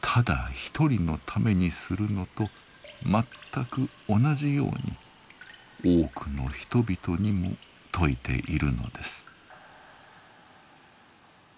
ただ一人のためにするのとまったく同じように多くの人々にも説いているのです。